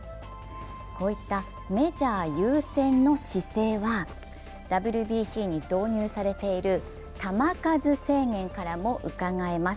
こういったメジャー優先の姿勢は、ＷＢＣに導入されている球数制限からもうかがえます。